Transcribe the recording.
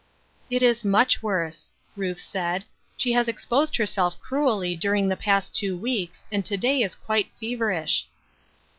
"It is much worse," Ruth said; "she has ex posed herself cruelly during the past two weeks, and to day is quite feverish."